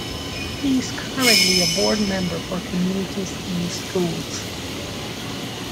He is currently a Board Member for Communities In Schools.